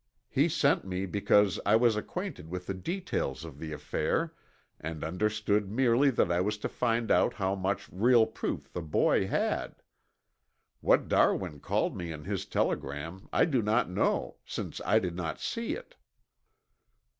He sent me because I was acquainted with the details of the affair and understood merely that I was to find out how much real proof the boy had. What Darwin called me in his telegram I do not know, since I did not see it."